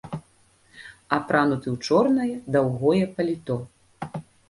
Апрануты ў чорнае даўгое паліто.